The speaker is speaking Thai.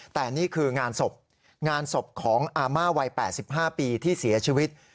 แต่นี่คืองานศพงานศพของอาม่าวัย๘๕ปีที่เสียชีวิต